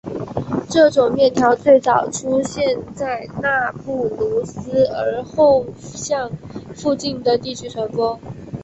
这种面条最早出现在纳布卢斯而后向附近的地区传播。